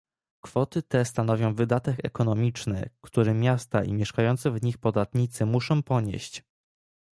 Kwoty te stanowią wydatek ekonomiczny, który miasta i mieszkający w nich podatnicy muszą ponieść